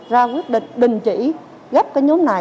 ra quyết định đình chỉ gấp cái nhóm này